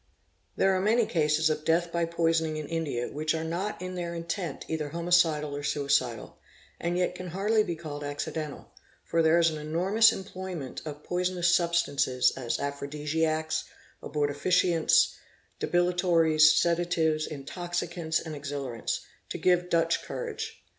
There are many cases of death by poisoning in India which are not in their intent — either homicidal or suicidal, and yet can hardly be called accidental; for there is an enormous employment of poisonous substances as aphrodisiacs, abortifacients, depilatories, sedatives, intoxicants, and exhilarants—to give Dutch courage.